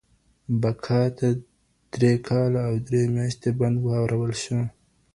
بکا ته درې کاله او درې مياشتې بند واورول شو.